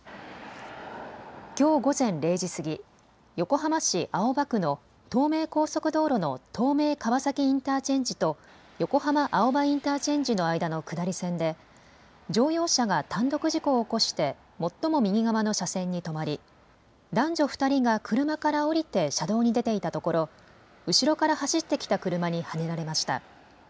きょう午前０時過ぎ、横浜市青葉区の東名高速道路の東名川崎インターチェンジと横浜青葉インターチェンジの間の下り線で、乗用車が単独事故を起こして最も右側の車線に止まり男女２人が車から降りて車道に出ていたところ後ろから走ってきた車にはねられました。